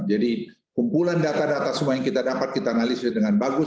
jadi kumpulan data data semua yang kita dapat kita analisis dengan bagus